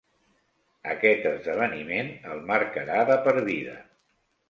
Aquest esdeveniment el marcarà de per vida.